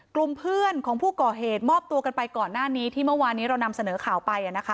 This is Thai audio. กลุ่มเพื่อนของผู้ก่อเหตุมอบตัวกันไปก่อนหน้านี้ที่เมื่อวานนี้เรานำเสนอข่าวไป